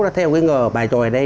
nó theo cái ngờ bài tròi đây